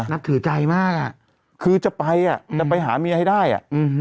นับถือใจมากอ่ะคือจะไปอ่ะจะไปหาเมียให้ได้อ่ะอืม